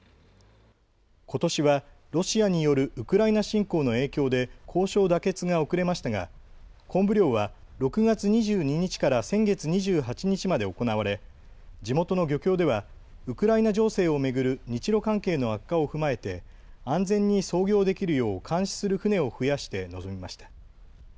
ことしはロシアによるウクライナ侵攻の影響で交渉妥結が遅れましたがコンブ漁は６月２２日から先月２８日まで行われ地元の漁協ではウクライナ情勢を巡る日ロ関係の悪化を踏まえて安全に操業できるよう監視する船を増やして臨みました。